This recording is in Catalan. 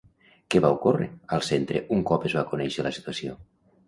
Què va ocórrer al centre un cop es va conèixer la situació?